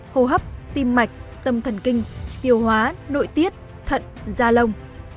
hô hấp tim mạch tâm thần kinh tiêu hóa nội tiết thận da lông